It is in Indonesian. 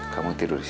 kamu tidur disini